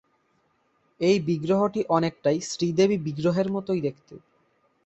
এই বিগ্রহটি অনেকটাই শ্রীদেবী বিগ্রহের মতোই দেখতে।